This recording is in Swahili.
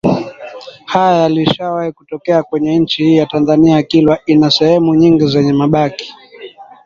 haya yalishawahi kutokea kwenye nchi hii ya Tanzania Kilwa ina sehemu nyingi zenye mabaki